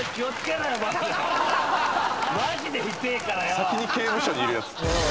「先に刑務所にいるやつ」